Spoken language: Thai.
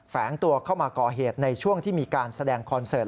แฝงตัวเข้ามาก่อเหตุในช่วงที่มีการแสดงคอนเสิร์ต